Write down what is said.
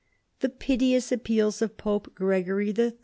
The piteous appeals of Pope Gregory III.